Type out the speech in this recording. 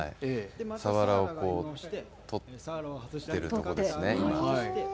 さわらをとってるところですね。